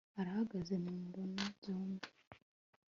arahagaze mu mbona byombi